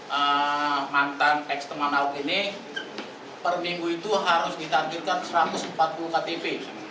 nah mantan ex teman ahok ini per minggu itu harus ditakdirkan satu ratus empat puluh ktp